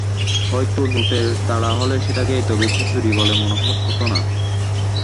হয়তো নোটের তাড়া হলে সেটাকে এত বেশি চুরি বলে মনে হত না।